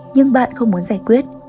nhưng bạn không muốn giải quyết